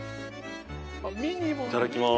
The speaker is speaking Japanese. いただきます。